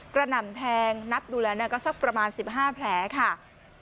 กระหน่ำแทงนับดูแลเนี่ยก็สักประมาณสิบห้าแผลค่ะ